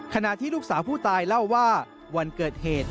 ขณะที่ลูกสาวผู้ตายเล่าว่าวันเกิดเหตุ